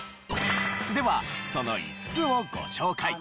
ではその５つをご紹介。